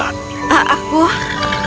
aku pangeran ilario dan aku tersesat